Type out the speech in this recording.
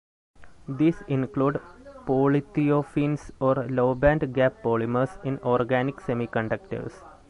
These include polythiophenes or low band gap polymers in organic semiconductors.